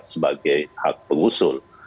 sebagai hak pengusul